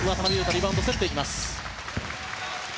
リバウンド、競っていきます。